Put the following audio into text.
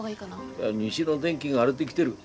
いや西の天気が荒れできてる。